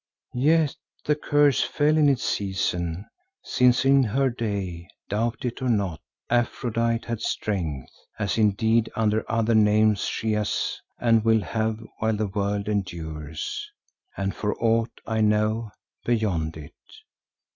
Yet the curse fell in its season, since in her day, doubt it or not, Aphrodite had strength, as indeed under other names she has and will have while the world endures, and for aught I know, beyond it.